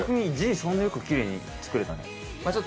そんなよくきれいに作れたね